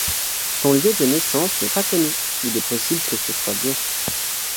Son lieu de naissance n'est pas connu, il est possible que ce soit Lyon.